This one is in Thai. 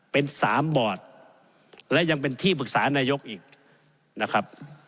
เป็นสามบอร์ดและยังเป็นที่ปรึกษานายกอีกนะครับ